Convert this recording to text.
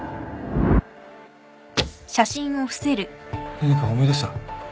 何か思い出した？